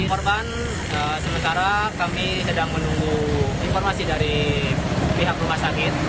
korban sementara kami sedang menunggu informasi dari pihak rumah sakit